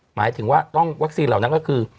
หมายถึงว่าต้องวัคซีนเหล่านั้นก็คือ